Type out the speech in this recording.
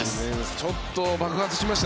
ちょっと爆発しました。